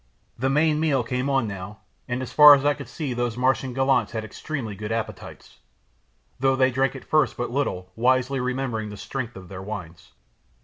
The main meal came on now, and as far as I could see those Martian gallants had extremely good appetites, though they drank at first but little, wisely remembering the strength of their wines.